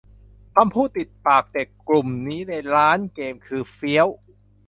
คำพูดติดปากเด็กกลุ่มนี้ในร้านเกม คือ เฟี้ยว